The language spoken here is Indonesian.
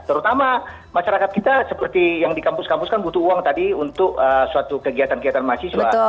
terutama masyarakat kita seperti yang di kampus kampus kan butuh uang tadi untuk suatu kegiatan kegiatan mahasiswa